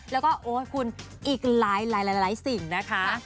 แล้วก็โอ๊ยคุณอีกหลายสิ่งนะคะ